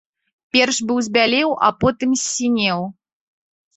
Перш быў збялеў, а потым ссінеў.